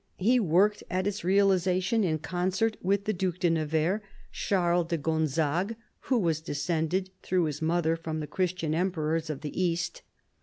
He worked at its realisation in concert with the Due de Nevers, Charles de Gonzague, who was descended, through his mother, from the Christian emperors of the East.